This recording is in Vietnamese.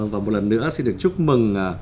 và một lần nữa xin được chúc mừng